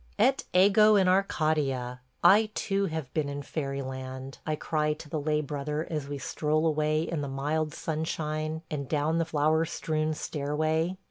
... "Et ego in Arcadia – I too have been in fairyland!" I cry to the lay brother as we stroll away in the mild sunshine and down the flower strewn stairway.